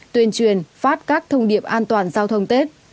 tuyên truyền phát các thông điệp an toàn giao thông tết